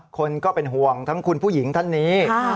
คนก็เป็นห่วงทั้งคุณผู้หญิงท่านนี้